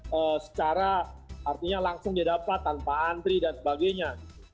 secara artinya langsung dia dapat tanpa antri dan sebagainya